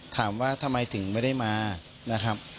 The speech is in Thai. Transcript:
ถามว่าทำไมถึงไม่ได้มา